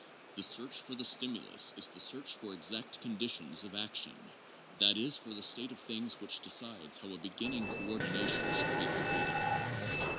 The search for the stimulus is the search for exact con ditions of action ; that is, for the state of things which decides how a beginning coordination should be completed.